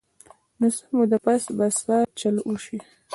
نو څۀ موده پس به څۀ چل اوشي -